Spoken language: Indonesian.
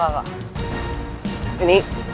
udah gak gak gak